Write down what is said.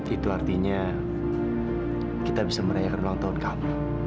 itu artinya kita bisa merayakan ulang tahun kami